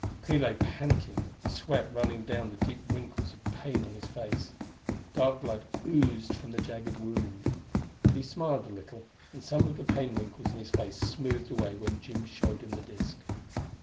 Clee lay panting, the sweat running down the deep wrinkles of pain on his face. Dark blood oozed from the jagged wound. But he smiled a little, and some of the pain wrinkles in his face smoothed away, when Jim showed him the disk....